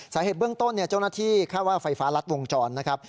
สาเหตุเบื้องต้นเจ้าหน้าที่คาดว่าไฟฟ้ารัดวงจรนะครับ